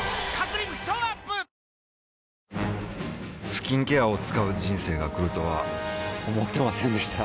スキンケアを使う人生が来るとは思ってませんでした